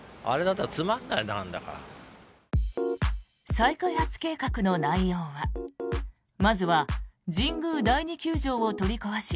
再開発計画の内容はまずは神宮第二球場を取り壊し